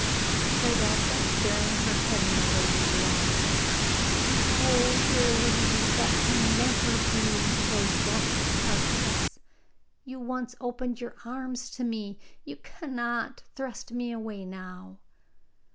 cried Elsa, burying her head in the lady's lap. 'No, dear lady, that can never be till death parts us. You once opened your arms to me; you cannot thrust me away now.